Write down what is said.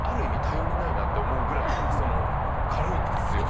頼りないなって思うぐらい軽いんですよ。